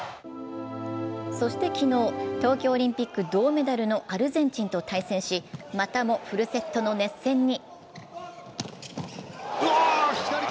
そして昨日、東京オリンピック銅メダルのアルゼンチンと対戦しまたもフルセットの熱戦に。